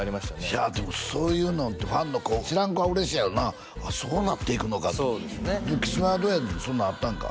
いやでもそういうのってファンの子知らん子は嬉しいやろうなそうなっていくのかとそうですねキスマイはどうやねんそんなんあったんか？